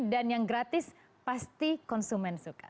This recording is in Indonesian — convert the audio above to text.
dan yang gratis pasti konsumen suka